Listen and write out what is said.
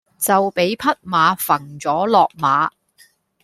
就畀匹馬揈咗落馬